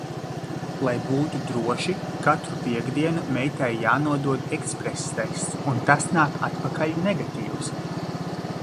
Lai būtu droši, katru piektdienu meitai jānodod eksprestests, un tas nāk atpakaļ negatīvs!